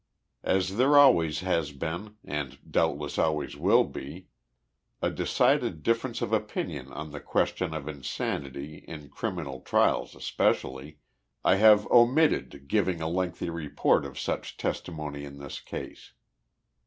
As there always has been, and, doubtless, always will be, a decided difference of opinion on the question of insanity, in criminal trials especially, I have omitted giving a lengthy report of such testimony in this case.